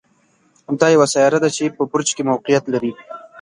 دا یوه سیاره ده چې په برج کې موقعیت لري.